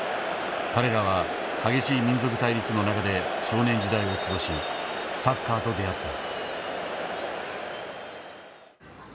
彼らは激しい民族対立の中で少年時代を過ごしサッカーと出会った。